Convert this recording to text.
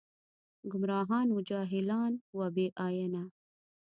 ګمراهان و جاهلان و بې ائينه